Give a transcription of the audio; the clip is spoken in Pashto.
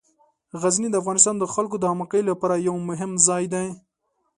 غزني د افغانستان د خلکو د همغږۍ لپاره یو مهم ځای دی.